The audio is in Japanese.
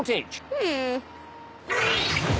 うん。